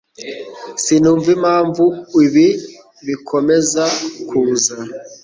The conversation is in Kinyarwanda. Sinumva impamvu ibi bikomeza kuza.